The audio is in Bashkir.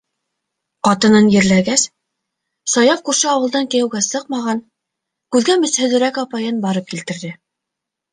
Ҡатынын ерләгәс, Саяф күрше ауылдан кейәүгә сыҡмаған, күҙгә мөсһөҙөрәк апайын барып килтерҙе.